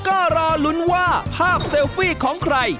ก็รอลุ้นว่าภาพเซลฟี่ของใคร